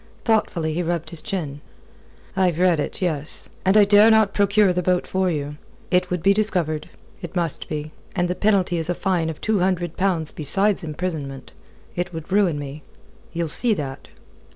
Thoughtfully he rubbed his chin. "I've read it yes. And I dare not procure the boat for you. It would be discovered. It must be. And the penalty is a fine of two hundred pounds besides imprisonment. It would ruin me. You'll see that?"